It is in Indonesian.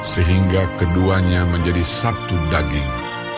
sehingga keduanya menjadi satu daging